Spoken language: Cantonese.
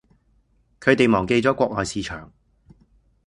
佢哋忘記咗國外市場